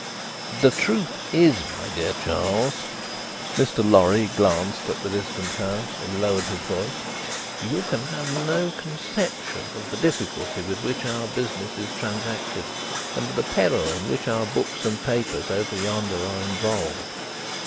The truth is, my dear Charles," Mr. Lorry glanced at the distant House, and lowered his voice, "you can have no conception of the difficulty with which our business is transacted, and of the peril in which our books and papers over yonder are involved.